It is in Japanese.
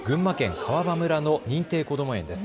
川場村の認定こども園です。